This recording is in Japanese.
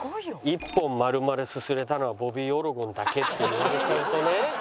「１本丸々すすれたのはボビー・オロゴンだけ」って言われちゃうとね